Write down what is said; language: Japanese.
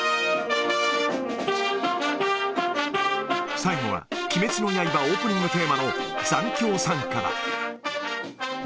最後は、鬼滅の刃、オープニングテーマの残響さんかだ。